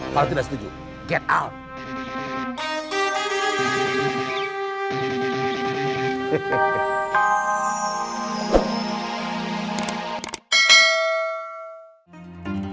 kalau tidak setuju get out